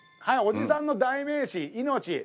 はいおじさんの代名詞「命」。